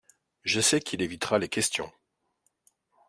Je sais qu’il évitera les questions.